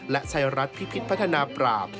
และชัยรัฐพิพิษพัฒนาปราบ